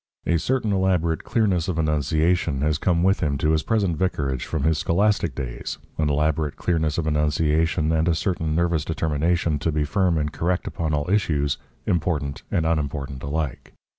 A certain elaborate clearness of enunciation has come with him to his present vicarage from his scholastic days, an elaborate clearness of enunciation and a certain nervous determination to be firm and correct upon all issues, important and unimportant alike.